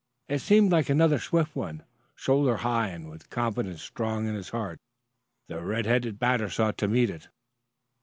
It seemed like another swift one, shoulder high, and, with confidence strong in his heart, the red headed batter sought to meet it.